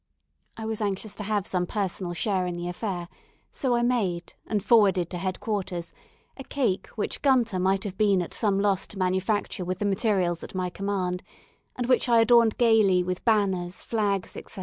I was anxious to have some personal share in the affair, so I made, and forwarded to head quarters, a cake which Gunter might have been at some loss to manufacture with the materials at my command, and which I adorned gaily with banners, flags, etc.